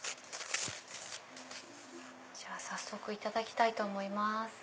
じゃあ早速いただきたいと思います。